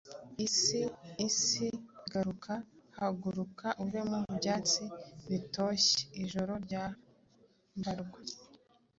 Isi Isi, garuka! Haguruka uve mu byatsi bitoshye Ijoro ryambarwa,